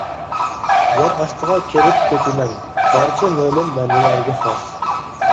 يەر ئاستىغا كېرىپ كېتىمەن، بارچە مۆمىن بەندىلەرگە خاس.